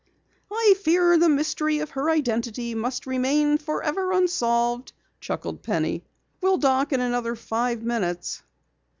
"I fear the mystery of her identity must remain forever unsolved," chuckled Penny. "We'll dock in another five minutes."